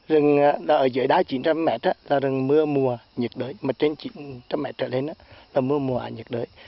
rừng ở dưới đá chín trăm linh m là rừng mưa mùa nhiệt đới mà trên chín trăm linh m trở lên là mưa mùa nhiệt đới